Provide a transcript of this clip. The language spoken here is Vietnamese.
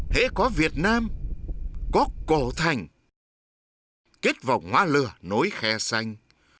hãy có việt nam có cổ thành kết vòng hoa lửa nối khe xanh